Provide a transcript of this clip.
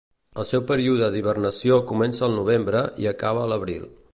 El seu període d'hibernació comença al novembre i acaba a l'abril.